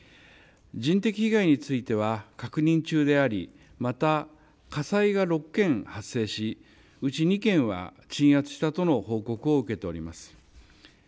人的被害については確認中でありまた火災が６件発生し、うち２件は鎮圧したとの報告を受けています。